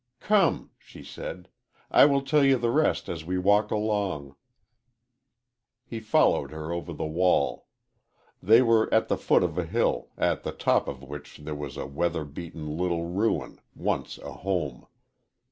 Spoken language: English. "Come," she said; "I will tell you the rest as we walk along." He followed her over the wall. They were at the foot of a hill, at the top of which there was a weather beaten little ruin, once a home.